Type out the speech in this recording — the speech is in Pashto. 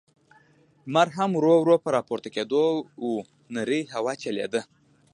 لمر هم ورو، ورو په راپورته کېدو و، نرۍ هوا چلېده.